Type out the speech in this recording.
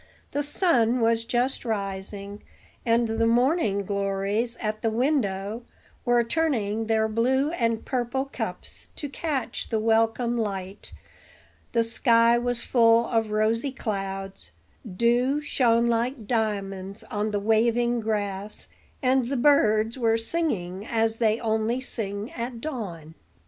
The sun was just rising, and the morning glories at the window were turning their blue and purple cups to catch the welcome light. The sky was full of rosy clouds; dew shone like diamonds on the waving grass, and the birds were singing as they only sing at dawn.